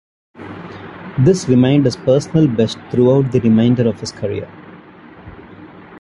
This remained his personal best throughout the remainder of his career.